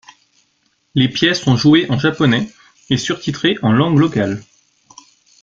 Les pièces sont jouées en japonais et surtitrées en langue locale.